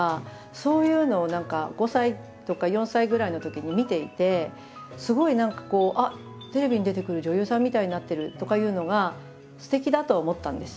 そういうのを何か５歳とか４歳ぐらいのときに見ていてすごい何かこうテレビに出てくる女優さんみたいになってるとかいうのがすてきだとは思ったんです。